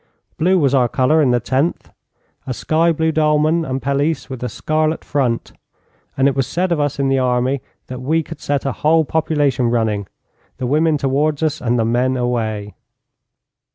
Blue was our colour in the Tenth a sky blue dolman and pelisse with a scarlet front and it was said of us in the army that we could set a whole population running, the women towards us, and the men away.